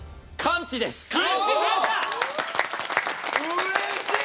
うれしい！